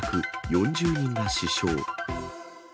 ４０人が死傷。